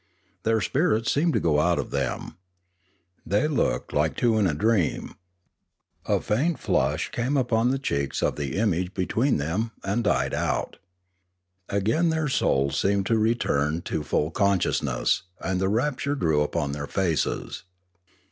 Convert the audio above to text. Their spirits seemed to go out from them. They looked like two in dream. A faint flush came upon the cheeks of the image be Inspiration 425 tween them, and died out. Again their souls seemed to return to full consciousness, and the rapture grew upon their faces.